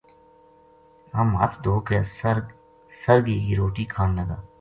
ہم ہتھ دھو کے سرگی کی روٹی کھان لگا